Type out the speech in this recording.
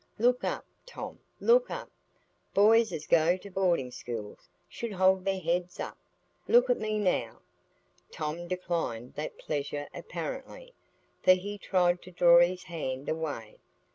"Look up, Tom, look up. Boys as go to boarding schools should hold their heads up. Look at me now." Tom declined that pleasure apparently, for he tried to draw his hand away.